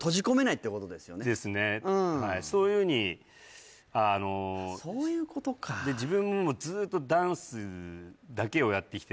はいそういうふうにそういうことかで自分もずーっとダンスだけをやってきて